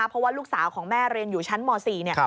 เพราะว่าลูกสาวของแม่เรียนอยู่ชั้นม๔เนี่ย